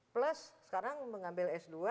plus sekarang mengambil s dua